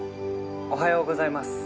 「おはようございます。